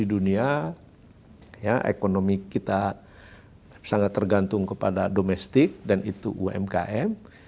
di dunia ekonomi kita sangat tergantung kepada domestik dan itu umkm